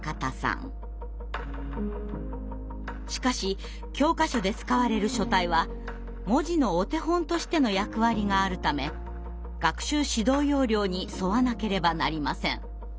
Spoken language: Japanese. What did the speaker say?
しかし教科書で使われる書体は文字のお手本としての役割があるため学習指導要領に沿わなければなりません。